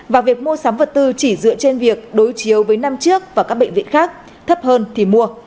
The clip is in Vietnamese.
và việc mua sắm vật tư chỉ dựa trên việc đối chiếu với năm trước và các bệnh viện khác thấp hơn thì mua